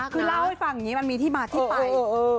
คือเล่าให้ฟังมันมีที่มาที่ไป